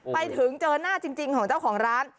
ไปถึงเจอหน้าจริงของเจ้าของร้าน